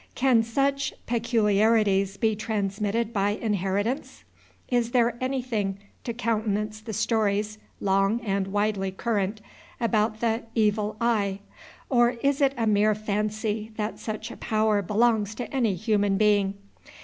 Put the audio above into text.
Can such peculiarities be transmitted by inheritance? Is there anything to countenance the stories, long and widely current, about the "evil eye"? or is it a mere fancy that such a power belongs to any human being?